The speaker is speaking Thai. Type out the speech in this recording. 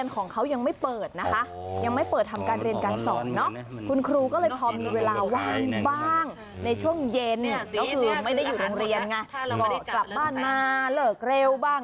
ต้องกลับบ้านมาเลิกเร็วบ้าง